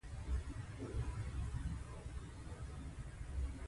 ډېر ناروغان د درد له امله سپورت نه کوي.